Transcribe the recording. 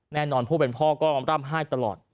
แน่นอนผู้เป็นพ่อก็ร่ำไห้ตลอด